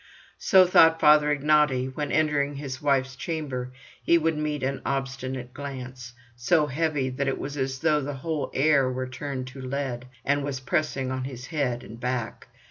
So thought Father Ignaty when, entering his wife's chamber, he would meet an obstinate glance, so heavy that it was as though the whole air were turned to lead, and was pressing on his head and back.